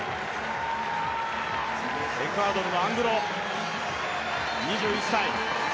エクアドルのアングロ２１歳。